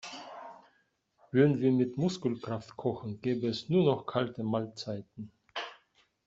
Würden wir mit Muskelkraft kochen, gäbe es nur noch kalte Mahlzeiten.